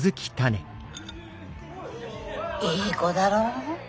いい子だろう。